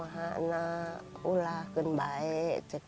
hai nanti emak weh